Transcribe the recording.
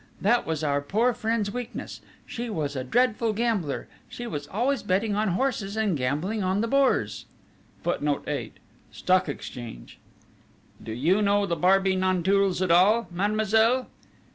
That was our poor friend's weakness: she was a dreadful gambler: she was always betting on horses and gambling on the Bourse." [Footnote 8: Stock Exchange.] "Do you know the Barbey Nanteuils at all, mademoiselle?"